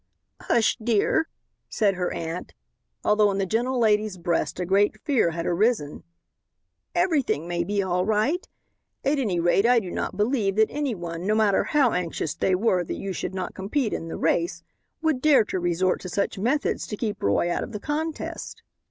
"Hush, dear," said her aunt, although in the gentle lady's breast a great fear had arisen, "everything may be all right. At any rate, I do not believe that any one, no matter how anxious they were that you should not compete in the race, would dare to resort to such methods to keep Roy out of the contest."